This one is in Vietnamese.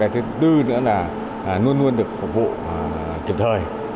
thứ tư nữa là luôn luôn được phục vụ kịp thời